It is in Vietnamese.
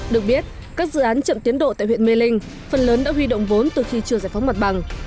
được biết các dự án chậm tiến độ tại huyện mê linh phần lớn đã huy động vốn từ khi chưa giải phóng mặt bằng